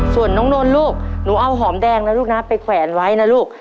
ส่วนน้องนนท์ลูกหนูเอาหอมแดงนะลูกนะไปแขวนไว้นะลูก